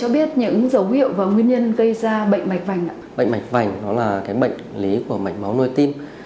bệnh mạch vành đó là bệnh lý của mạch máu nuôi tim